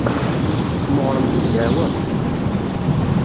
Tesmeɣremt ddeɛwa.